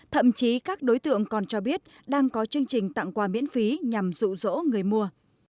thậm chí các đối tượng còn cho biết đang có chương trình tặng quà miễn phí nhằm rụ rỗ người mua